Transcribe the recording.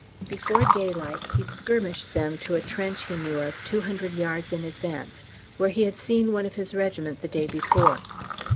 Before daylight he "skirmished" them to a trench he knew of two hundred yards in advance, where he had seen one of his regiment the day before.